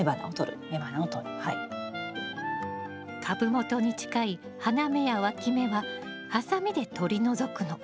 株元に近い花芽やわき芽はハサミで取り除くの。